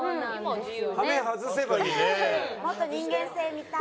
もっと人間性見たい！